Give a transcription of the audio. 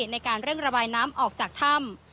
ในการเร่งระบายน้ำออกจากถ้ำ